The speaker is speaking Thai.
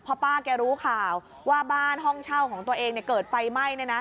พอป้าแกรู้ข่าวว่าบ้านห้องเช่าของตัวเองเกิดไฟไหม้